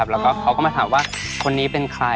แล้วก็เขาก็มาถามว่าคนนี้เป็นใคร